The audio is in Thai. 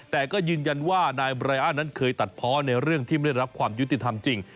แต่ก็ยืนยันว่านายบรายอันนั้นเคยตัดเพาะในเรื่องที่ไม่ได้รับความยุติธรรมจริง